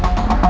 aku kasih tau